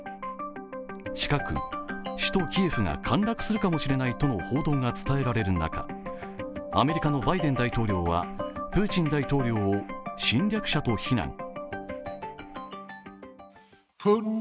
近く首都キエフが陥落するかもしれないとの報道が伝えられる中アメリカのバイデン大統領はプーチン大統領を侵略者と非難。